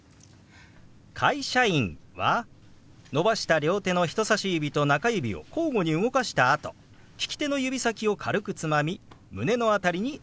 「会社員」は伸ばした両手の人さし指と中指を交互に動かしたあと利き手の指先を軽くつまみ胸の辺りに当てます。